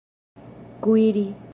kuiri